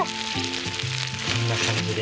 こんな感じで。